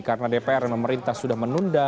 karena dpr dan pemerintah sudah menunda